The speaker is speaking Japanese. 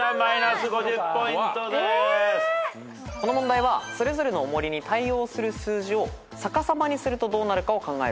この問題はそれぞれの重りに対応する数字を逆さまにするとどうなるかを考える必要があります。